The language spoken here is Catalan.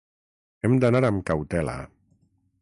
Hem d'anar amb cautela.